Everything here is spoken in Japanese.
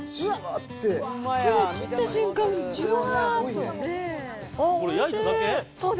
切った瞬間、じゅわー。